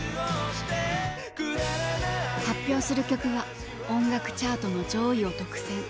発表する曲は音楽チャートの上位を独占。